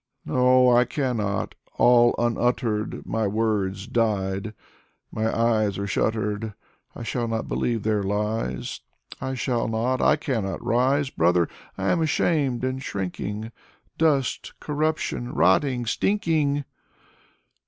" No, I cannot. All unuttered My words died. My eyes are shuttered. I shall not believe their lies. I shall not, I cannot rise! Brother, — I am ashamed and shrinking, — Dust, corruption, — rotting, stinking!"